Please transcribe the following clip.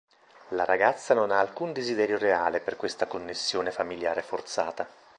La ragazza non ha alcun desiderio reale per questa connessione familiare forzata.